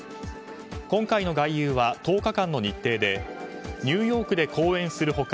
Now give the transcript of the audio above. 今回の外遊は１０日間の日程でニューヨークで講演する他